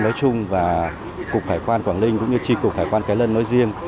nói chung và cục hải quan quảng ninh cũng như tri cục hải quan cái lân nói riêng